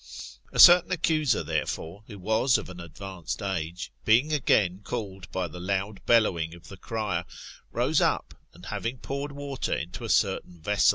A certain accuser, therefore, who was of an advanced age, bemg again called by the loud bellowing of the cryer, rose up, and having poured water into a certain vessel JLe.